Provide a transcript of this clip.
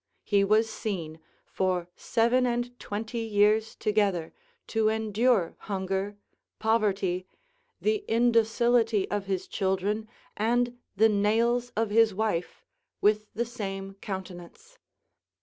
He was seen, for seven and twenty years together, to endure hunger, poverty, the indocility of his children, and the nails of his wife, with the same countenance.